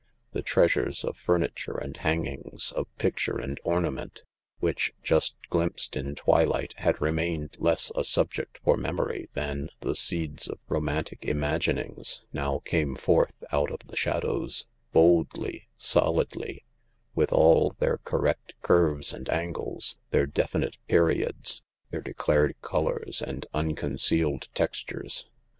The treasures of furniture and hangings, of picture and ornament, which, just glimpsed in twilight, had remained less a subject for memory than the seeds of romantic imaginings, now came forth out of the shadows boldly, solidly, with all their correct curves and angles, their definite "periods," their declared colours and uncon cealed textures.